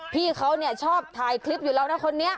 พี่เขาเนี่ยชอบถ่ายคลิปอยู่แล้วนะคนนี้